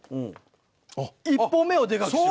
１歩目をでかくしてる。